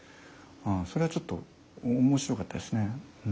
それはちょっと面白かったですね。